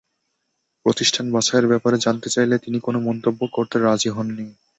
প্রতিষ্ঠান বাছাইয়ের ব্যাপারে জানতে চাইলে তিনি কোনো মন্তব্য করতে রাজি হননি।